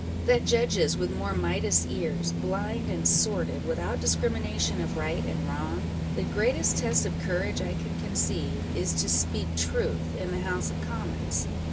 â€" that judges with more Midas ears, blind and sordid, without discrimination of right and wrong ? The greatest test of courage I can conceive, is to speak truth in the House of Commons.